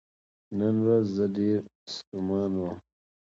نن ورځ زه ډیر ستومان وم .